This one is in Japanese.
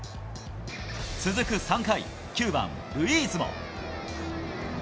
続く３回、９番ルイーズも。